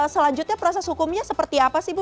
selanjutnya proses hukumnya seperti apa sih bu